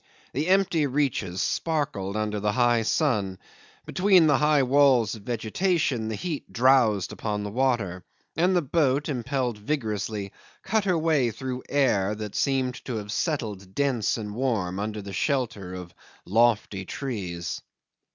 The empty reaches sparkled under the high sun; between the high walls of vegetation the heat drowsed upon the water, and the boat, impelled vigorously, cut her way through the air that seemed to have settled dense and warm under the shelter of lofty trees.